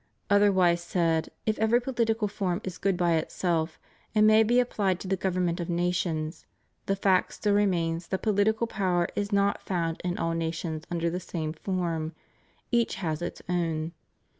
Otherwise said, if every political form is good by itself and may be applied to the govern ment of nations, the fact still remains that political power is not found in all nations under the same form ; each has its own.